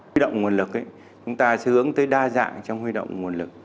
huy động nguồn lực chúng ta sướng tới đa dạng trong huy động nguồn lực